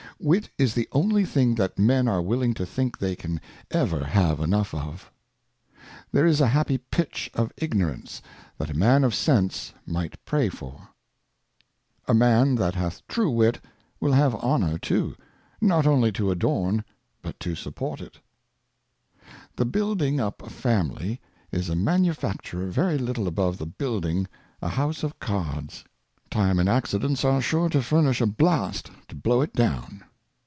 Wit is the only thing that Men are willing to think they can ever have enough of. There is a happy Pitch of Ignorance that a Man of Sense might pray for. A Man that hath true Wit will have Honour too, not only to adorn, but to support it. Families. THE building up a Family is a Manufacture very little above the building a House of Cards. Time and Accidents are sure to furnish a Blast to blow it down.